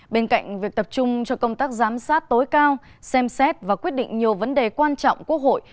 bên cạnh việc tập trung cho công tác giám sát tối cao xem xét và quyết định nhiều vấn đề quan trọng quốc hội